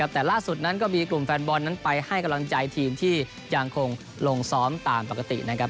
แต่ล่าสุดนั้นก็มีกลุ่มแฟนบอลนั้นไปให้กำลังใจทีมที่ยังคงลงซ้อมตามปกตินะครับ